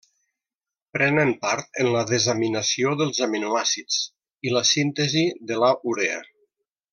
Prenen part en la desaminació dels aminoàcids i la síntesi de la urea.